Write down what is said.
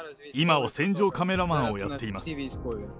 今は戦場カメラマンをやっています。